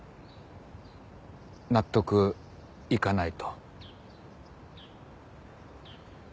納得いかないと。